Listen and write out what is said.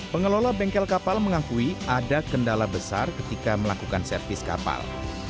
pengelola bengkel kapal mengakui ada kendala besar ketika melakukan servis kapal